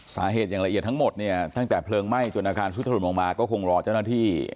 สาเหตุอย่างละเอียดทั้งหมดเนี่ยตั้งแต่เพลิงไหม้จนอาคารซุดถล่มลงมาก็คงรอเจ้าหน้าที่